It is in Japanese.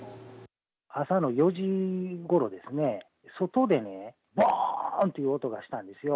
朝の４時ごろですね、外でね、ぼーんという音がしたんですよ。